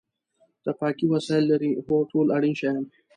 د پاکۍ وسایل لرئ؟ هو، ټول اړین شیان